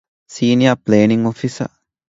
ސީނިއަރ ޕްލޭނިންގ އޮފިސަރ